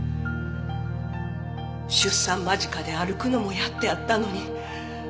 出産間近で歩くのもやっとやったのに。